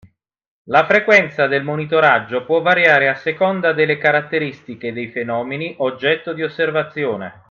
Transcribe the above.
La frequenza del monitoraggio può variare a seconda delle caratteristiche dei fenomeni oggetto di osservazione.